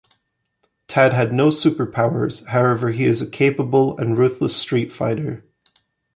Tad has no superpowers, however he is a capable and ruthless street fighter.